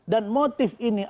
dan motif ini